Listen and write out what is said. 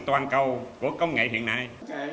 toàn cầu của công nghệ hiện nay